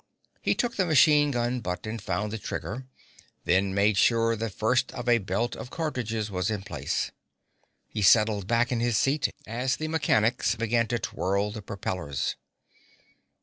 He took the machine gun butt and found the trigger, then made sure the first of a belt of cartridges was in place. He settled back in his seat as the mechanics began to twirl the propellers.